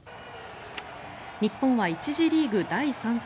日本は１次リーグ第３戦。